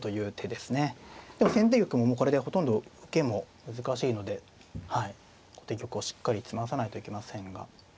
でも先手玉もこれでほとんど受けも難しいので後手玉をしっかり詰まさないといけませんが。